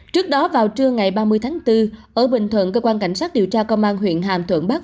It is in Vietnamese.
trước đó vào trưa ngày ba mươi tháng bốn ở bình thuận cơ quan cảnh sát điều tra công an huyện hàm thuận bắc